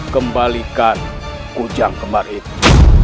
kembalikan kujang kembar itu